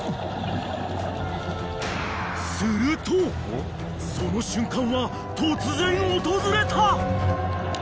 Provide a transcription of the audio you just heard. ［その瞬間は突然訪れた］